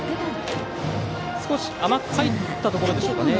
少し甘く入ったところでしょうか。